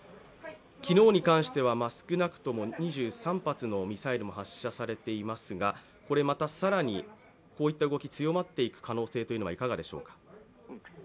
昨日に関しては少なくとも２３発のミサイルが発射されていますが、また更にこういった動きが強まっていく可能性はいかがでしょう？